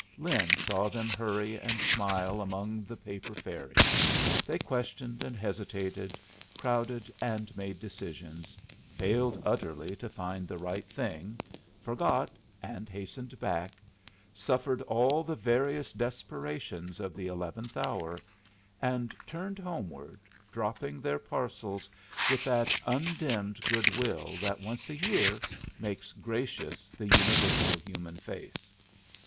Lin saw them hurry and smile among the paper fairies; they questioned and hesitated, crowded and made decisions, failed utterly to find the right thing, forgot and hastened back, suffered all the various desperations of the eleventh hour, and turned homeward, dropping their parcels with that undimmed good will that once a year makes gracious the universal human face.